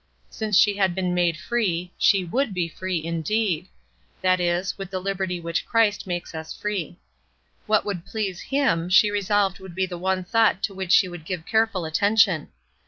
Since she had been made free, she would be free, indeed; that is, with the liberty with which Christ makes us free. What would please Him she resolved should be the one thought to which she would give careful attention.